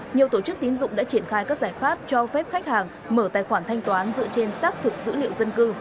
nhiều tổ chức tín dụng đã triển khai các giải pháp cho phép khách hàng mở tài khoản thanh toán dựa trên xác thực dữ liệu dân cư